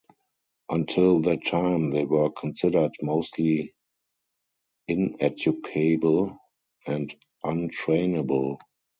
Until that time they were considered mostly ineducable and un-trainable.